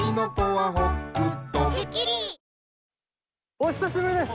お久しぶりです。